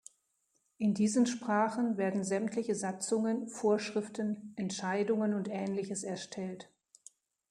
In diesen Sprachen werden sämtliche Satzungen, Vorschriften, Entscheidungen und Ähnliches erstellt.